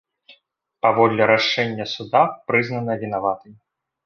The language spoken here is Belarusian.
Паводле рашэння суда прызнана вінаватай.